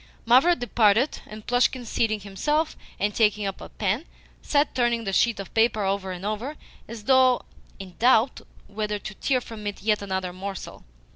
Mavra departed, and Plushkin, seating himself, and taking up a pen, sat turning the sheet of paper over and over, as though in doubt whether to tear from it yet another morsel.